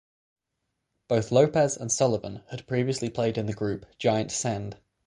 Both Lopez and Sullivan had previously played in the group Giant Sand.